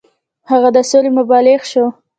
هغه د سولې مبلغ شو.